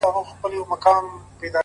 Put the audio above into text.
ډيره ژړا لـــږ خـــنــــــــــدا؛